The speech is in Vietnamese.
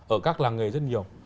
ở các làng nghề rất nhiều